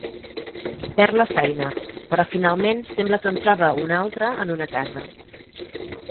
Perd la feina, però finalment sembla que en troba una altra en una casa.